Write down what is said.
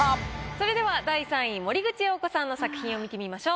それでは第３位森口瑤子さんの作品を見てみましょう。